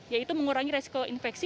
yaitu mengurangi resiko infeksi